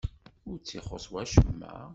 Ur tt-ixuṣṣ wacemma?